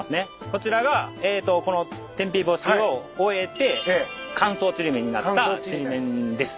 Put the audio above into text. こちらがえっとこの天日干しを終えて乾燥ちりめんになったちりめんです。